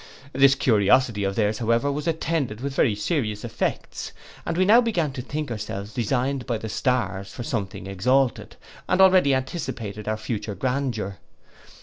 This curiosity of theirs, however, was attended with very serious effects: we now began to think ourselves designed by the stars for something exalted, and already anticipated our future grandeur.